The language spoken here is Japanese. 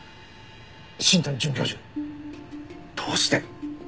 新谷准教授どうして？